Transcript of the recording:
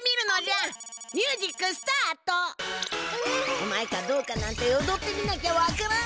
うまいかどうかなんておどってみなきゃわからん！